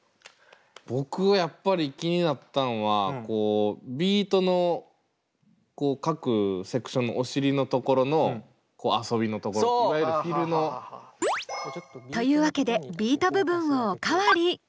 僕はやっぱり気になったんはこうビートの各セクションのお尻のところのこう遊びのところいわゆるフィルの。というわけでビート部分をお代わり。